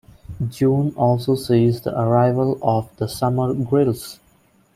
June also sees the arrival of the summer grilse.